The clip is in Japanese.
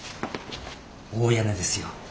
大屋根ですよ。